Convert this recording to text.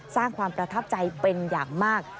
สร้างความประทับใจเป็นอย่างมาก